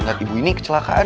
liat ibu ini kecelakaan